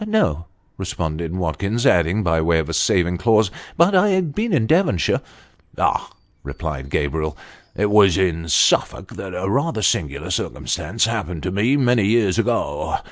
" No," responded Watkins, adding, by way of a saving clause, " but I've been in Devonshire." " Ah !" replied Gabriel, " it was in Suffolk that a rather singular circumstance happened to me many years ago.